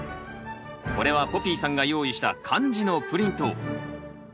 これはポピーさんが用意した漢字のプリント。